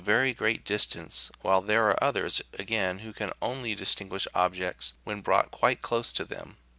\ very great distance, while there are others, again, who can only distinguish objects when brought quite close to them.